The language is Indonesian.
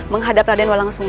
menghadap raden walang sungsang